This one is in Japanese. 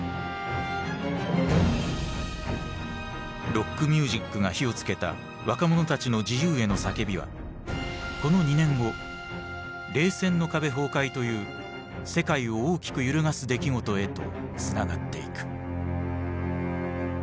ロックミュージックが火をつけた若者たちの自由への叫びはこの２年後冷戦の壁崩壊という世界を大きく揺るがす出来事へとつながっていく。